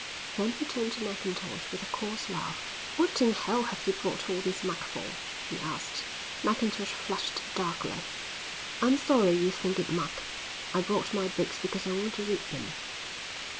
Then he turned to Mackintosh with a coarse laugh. "What in Hell have you brought all this muck for?" he asked. Mackintosh flushed darkly. "I'm sorry you think it muck. I brought my books because I want to read them."